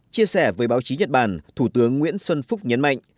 chia sẻ với báo chí nhật bản thủ tướng nguyễn xuân phúc nhấn mạnh